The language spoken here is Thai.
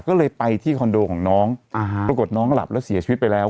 ก็เลยไปที่คอนโดของน้องปรากฏน้องหลับแล้วเสียชีวิตไปแล้ว